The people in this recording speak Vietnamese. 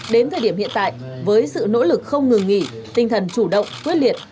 đến thời điểm hiện tại với sự nỗ lực không ngừng nghỉ tinh thần chủ động quyết liệt